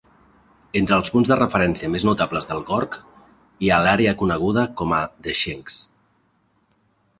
Entre els punts de referència més notables del gorg hi ha l'àrea coneguda com a The Sinks.